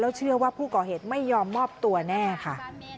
เชื่อว่าผู้ก่อเหตุไม่ยอมมอบตัวแน่ค่ะ